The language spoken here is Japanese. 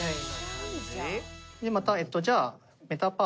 またじゃあ。